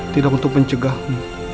tidak untuk mencegahmu